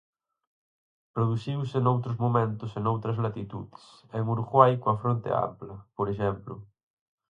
Produciuse noutros momentos e noutras latitudes, en Uruguai coa Fronte Ampla, por exemplo.